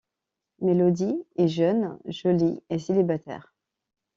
Melody est jeune, jolie et célibataire.